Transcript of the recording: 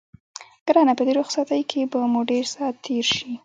ګرانه په دې رخصتۍ کې به مو ډېر ساعت تېر شي.